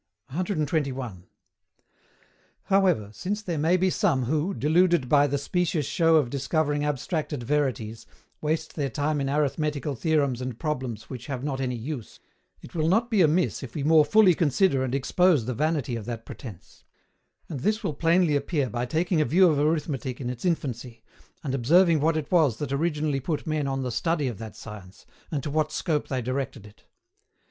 121. However, since there may be some who, deluded by the specious show of discovering abstracted verities, waste their time in arithmetical theorems and problems which have not any use, it will not be amiss if we more fully consider and expose the vanity of that pretence; and this will plainly appear by taking a view of Arithmetic in its infancy, and observing what it was that originally put men on the study of that science, and to what scope they directed it.